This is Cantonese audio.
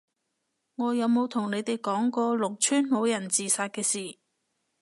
我有冇同你哋講過農村老人自殺嘅事？